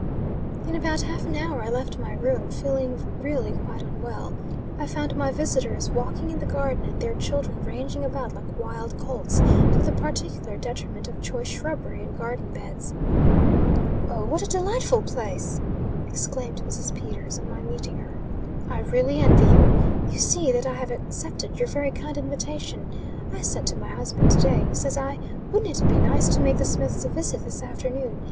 In about half an hour I left my room, feeling really quite unwell. I found my visitors walking in the garden, and their children ranging about like wild colts, to the particular detriment of choice shrubbery and garden beds. "Oh, what a delightful place!" exclaimed Mrs. Peters, on my meeting her. "I really envy you! You see that I have accepted your very kind invitation. I said to my husband to day, says I, wouldn't it be nice to make the Smiths a visit this afternoon.